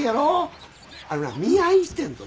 あのな見合いしてんぞ。